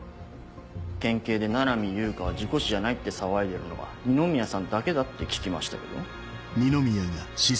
県警で七海悠香は事故死じゃないって騒いでるのは二宮さんだけだって聞きましたけど？